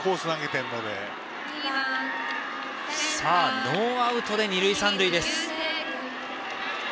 さあノーアウトで二塁三塁です。